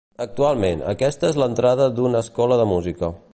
Actualment, aquesta és l'entrada d'una escola de música.